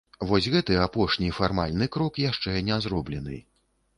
Вось гэты апошні фармальны крок яшчэ не зроблены.